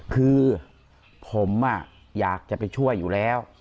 คือผมอยากจะไปช่วยอยู่แล้ว